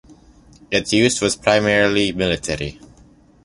Its use was primarily military.